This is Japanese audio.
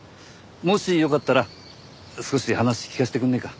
もしよかったら少し話聞かせてくれねえか？